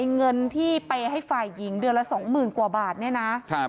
เงินที่ไปให้ฝ่ายหญิงเดือนละสองหมื่นกว่าบาทเนี่ยนะ